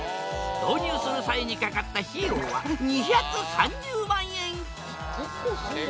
導入する際にかかった費用は結構すんだな。